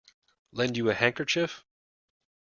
Lend you a handkerchief?